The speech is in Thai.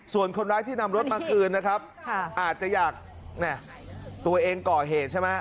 ส่วนคนร้ายที่นำรถมาคืนนะครับอาจจะอยากตัวเองก่อเหตุใช่ไหม